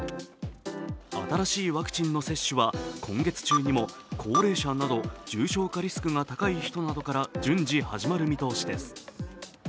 新しいワクチンの接種は今月中にも高齢者など重症者リスクが高い人などから順次始まる見通しです。